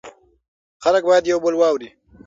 خلک باید یو بل واوري.